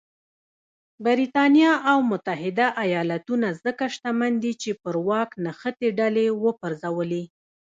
برېټانیا او متحده ایالتونه ځکه شتمن دي چې پر واک نښتې ډلې وپرځولې.